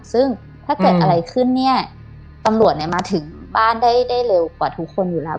ซึ่งถ้าเกิดอะไรขึ้นเนี่ยตำรวจเนี่ยมาถึงบ้านได้เร็วกว่าทุกคนอยู่แล้ว